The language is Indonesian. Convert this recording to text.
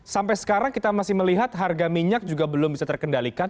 sampai sekarang kita masih melihat harga minyak juga belum bisa terkendalikan